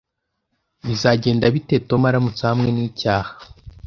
Bizagenda bite Tom aramutse ahamwe n'icyaha?